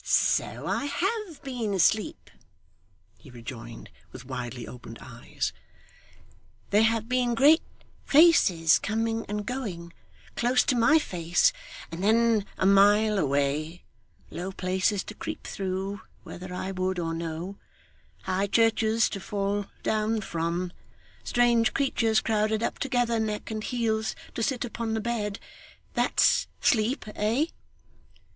'So I HAVE been asleep,' he rejoined, with widely opened eyes. 'There have been great faces coming and going close to my face, and then a mile away low places to creep through, whether I would or no high churches to fall down from strange creatures crowded up together neck and heels, to sit upon the bed that's sleep, eh?